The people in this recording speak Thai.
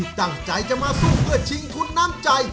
ที่ตั้งใจจะมาสู้กดเชียงทุนน้ำใจ